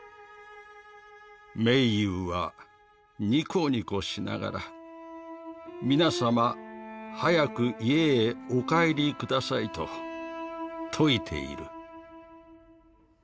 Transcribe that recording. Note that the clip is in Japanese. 「明勇はニコニコしながら『皆様早く家へお帰り下さい』と説いている」。